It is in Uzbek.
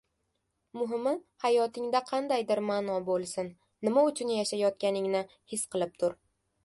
Muhimi hayotingda qandaydir maʼno boʻlsin, nima uchun yashayotganingni his qilib tur.